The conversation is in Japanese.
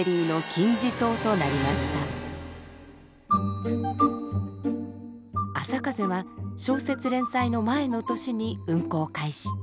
「あせかぜ」は小説連載の前の年に運行開始。